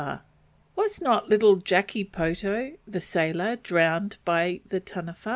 "Was not little Jackey poto, the sailor, drowned by the Taniwha?